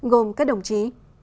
gồm các đồng chí